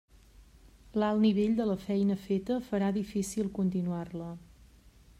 L'alt nivell de la feina feta farà difícil continuar-la.